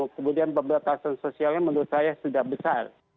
kemudian pembatasan sosialnya menurut saya sudah besar